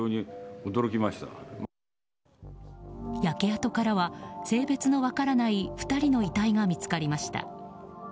焼け跡からは性別の分からない２人の遺体が見つかりました。